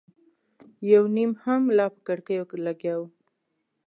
یو نيم هم لا په کړکيو لګیا و.